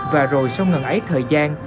và rồi sau ngần ấy thời gian